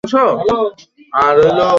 এই জেলার অর্থনীতি মূলতঃ কৃষির ওপর নির্ভরশীল।